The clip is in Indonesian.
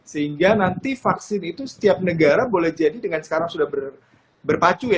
sehingga nanti vaksin itu setiap negara boleh jadi dengan sekarang sudah berpacu ya